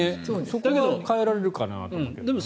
そこは変えられるかなと思うけどね。